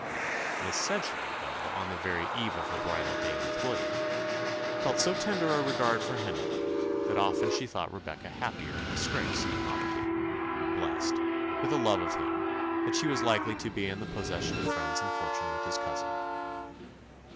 Miss Sedgeley, though on the very eve of her bridal day with William, felt so tender a regard for Henry, that often she thought Rebecca happier in disgrace and poverty, blest with the love of him, than she was likely to be in the possession of friends and fortune with his cousin.